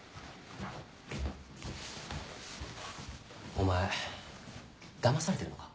お前だまされてるのか？